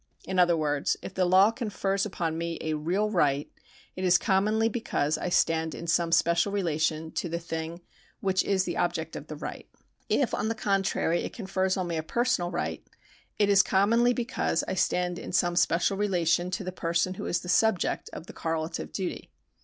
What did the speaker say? In other words, if the law confers upon me a real right, it is commonly because I stand in some special relation to the thing which is the object of the right. If on the contrary it confers on me a personal right, it is commonly because I stand in some special relation to the person who is the subject of the correlative duty.